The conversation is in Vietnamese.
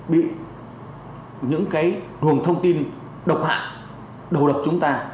bị những cái nguồn thông tin độc hạn đồ độc chúng ta